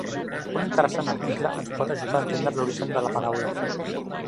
Un interessant article ens pot ajudar a entendre l'origen de la paraula.